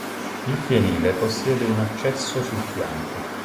Il fienile possiede un accesso sul fianco.